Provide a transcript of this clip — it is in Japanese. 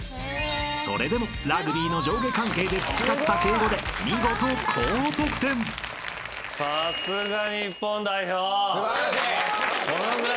［それでもラグビーの上下関係で培った敬語で見事高得点］素晴らしい。